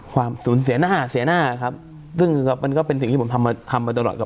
ความสูญเสียหน้าเสียหน้าครับซึ่งมันก็เป็นสิ่งที่ผมทำมาทำมาตลอดกับ